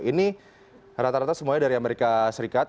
ini rata rata semuanya dari amerika serikat